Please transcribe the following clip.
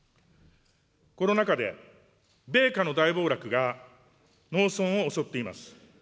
コロナ禍で米価の大暴落が農村を襲っています。